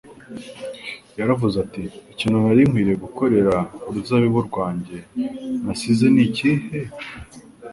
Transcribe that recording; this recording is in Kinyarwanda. Yaravuze ati: «Ikintu nari nkwiriye gukorera uruzabibu rwanjye nasize ni ikihe?'»